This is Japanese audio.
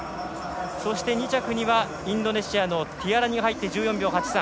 そして２着にはインドネシアのティアラニ１４秒８３。